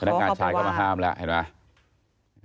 นักงานชายเข้ามาห้ามแล้วเห็นไหม